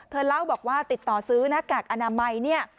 เล่าบอกว่าติดต่อซื้อหน้ากากอนามัยเนี่ย